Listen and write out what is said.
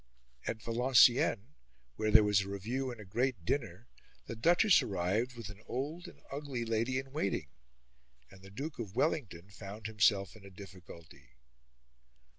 At Valenciennes, where there was a review and a great dinner, the Duchess arrived with an old and ugly lady in waiting, and the Duke of Wellington found himself in a difficulty.